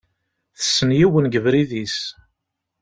Tessen yiwen deg ubrid-is.